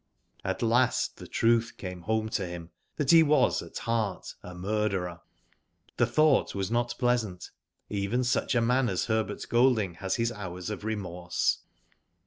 At last the truth came home to him that he was at heart a murderer. The thought was not pleasant. Even such a man as Herbert Golding has his hours of remorse.